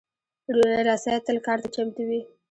رسۍ تل کار ته چمتو وي.